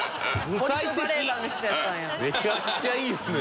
めちゃくちゃいいっすね。